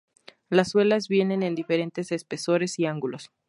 Las suelas vienen en diferentes espesores y ángulos.